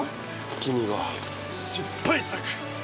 君は失敗作！